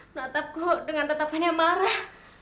menatapku dengan tetap hanya marah